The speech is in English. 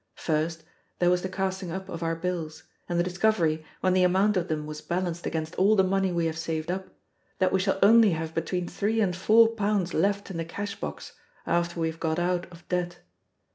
First, there was the casting up of our bills, and the discovery, when the amount of them was balanced against all the money we have saved up, that we shall only have between three and four pounds left in the cash box, after we have got out of debt.